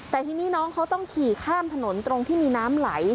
แต่ทีนี้น้องเขาต้องขี่ข้ามถนนตรงที่มีน้ำไหล